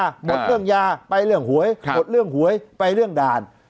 หมดเรื่องยาไปเรื่องหวยหมดเรื่องหวยไปเรื่องด่าน